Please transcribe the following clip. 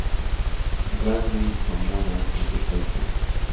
Randy Mamola completó el podio.